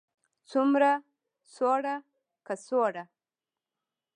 څومره, څوړه، کڅوړه